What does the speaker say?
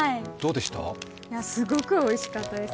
すごくおいしかったです。